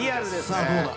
さあどうだ？